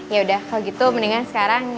yaudah kalo gitu mendingan sekarang